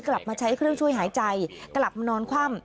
กลับมาใช้เครื่องช่วยหายใจกลับมานอนคว่ำ